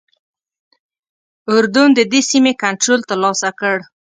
اردن ددې سیمې کنټرول ترلاسه کړ.